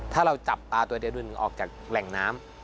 ถ้าเราจับปลาตัวเดียวออกจากแหล่งน้ำ